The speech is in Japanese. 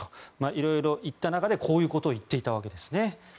色々言った中でこういうことを言っていたわけですね。